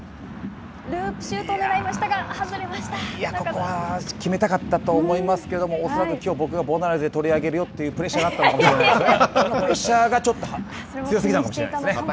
ループシュートをねらいましたがここは決めたかったと思いますけども恐らく、きょう僕がボナライズで取り上げるよというプレッシャーがあったかもしれないですね。